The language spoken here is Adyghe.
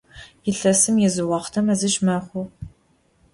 Yilhesım yizıuaxhte meziş mexhu.